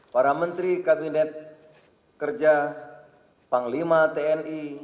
para menteri kabinet kerja panglima tni